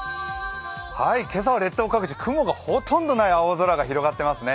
今朝は列島各地、雲がほとんどない青空が広がっていますね。